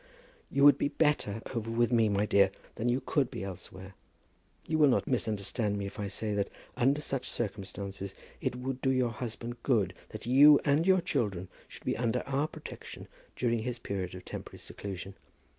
"You would be better over with me, my dear, than you could be elsewhere. You will not misunderstand me if I say that, under such circumstances, it would do your husband good that you and your children should be under our protection during his period of temporary seclusion.